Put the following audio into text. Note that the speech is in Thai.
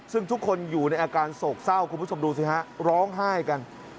ซึ่งทุกคนอยู่ในอาการโศกเศร้าคุณผู้ชมดูสิฮะร้องไห้กัน